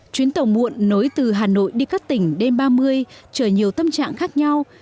chuyến tàu muộn nối từ hà nội đi các tỉnh đêm ba mươi chờ nhiều tâm trạng khác nhau